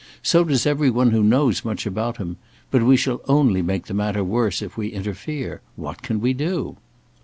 So does every one who knows much about him. But we shall only make the matter worse if we interfere. What can we do?"